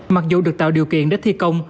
mặc dù được tạo điều kiện để thi công